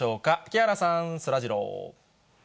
木原さん、そらジロー。